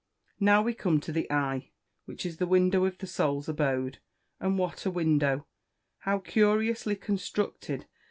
Now we come to the eye, which is the window of the Soul's abode. And what a window! how curiously constructed!